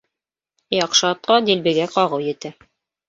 Яҡшы атҡа дилбегә ҡағыу етә.